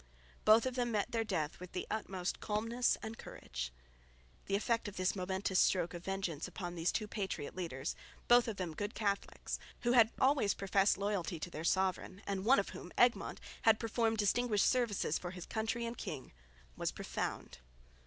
Both of them met their death with the utmost calmness and courage. The effect of this momentous stroke of vengeance upon these two patriot leaders, both of them good Catholics, who had always professed loyalty to their sovereign, and one of whom, Egmont, had performed distinguished services for his country and king, was profound.